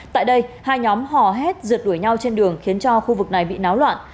tại đây hai nhóm hò hét rượt đuổi nhau trên đường khiến cho khu vực này bị náo loạn